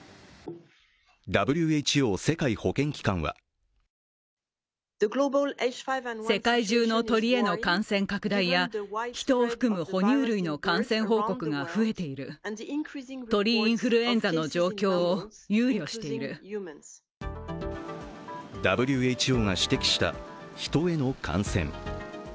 ＷＨＯ＝世界保健機関はＷＨＯが指摘した、ヒトへの感染。